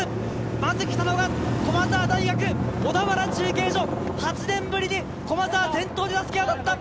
まず来たのは駒澤大学、小田原中継所、８年ぶりに駒澤、先頭で襷が渡った。